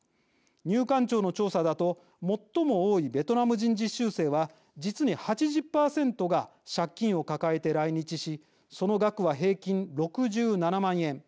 入管庁の調査だと最も多いベトナム人実習生は実に８０％が借金を抱えて来日しその額は平均６７万円。